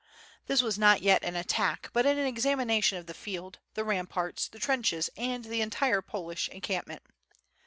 This was not yet an attack, but an examination of the fielcf, the ramparts, the trenches and the entire Polish encampment.